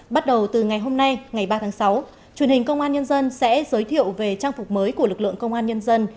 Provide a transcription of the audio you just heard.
bắt đầu từ ngày hôm nay ngày ba tháng sáu truyền hình công an nhân dân sẽ giới thiệu về trang phục mới của lực lượng công an nhân dân